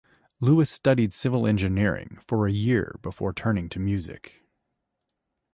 Lewis studied civil engineering for a year before turning to music.